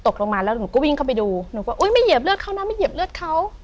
ตกลงมาแล้วหนูก็วิ่งเข้าไปดูหนูก็อุ๊ยไม่เหยียบเลือดเขานะไม่เหยียบเลือดเขา